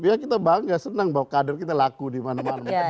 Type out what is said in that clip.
ya kita bangga senang bahwa kader kita laku di mana mana